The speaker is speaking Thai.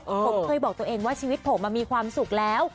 ผมเคยบอกตัวเองว่าชีวิตผมมีความสุขแล้ว